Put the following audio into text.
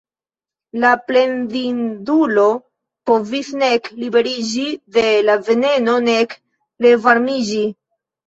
La plendindulo povis nek liberiĝi de la veneno nek revarmiĝi.